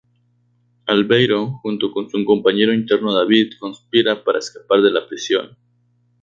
Albeiro, junto con su compañero interno David, conspira para escapar de la prisión.